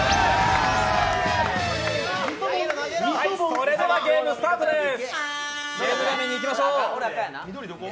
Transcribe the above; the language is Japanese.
それではゲームスタートです。